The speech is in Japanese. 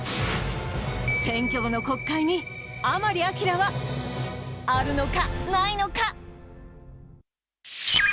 選挙後の国会に、甘利明はあるのかないのか。